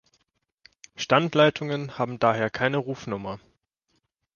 Standleitungen haben daher keine Rufnummer.